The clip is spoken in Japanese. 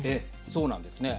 そうなんですね。